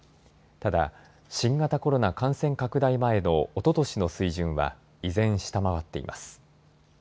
ただ、新型コロナ感染拡大前のおととしの水準は依然、下回っています。